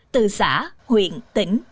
từ xã huyện tỉnh